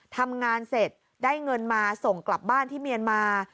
ทำงานเสร็จได้เงินมาส่งกลับบ้านที่เมียนมา